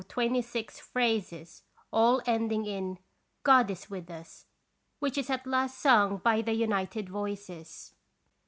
149 twenty six phrases, all ending in " God is with us!" which is at last sung by the united voices.